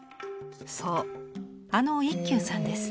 そうあの一休さんです。